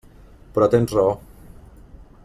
Però tens raó.